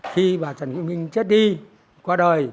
khi bà trần quỳnh minh chết đi qua đời